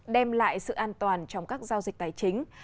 đem lại sự an toàn trong các giao dịch tài chính